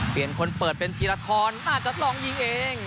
เปลี่ยนคนเปิดเป็นธีรทรอาจจะลองยิงเอง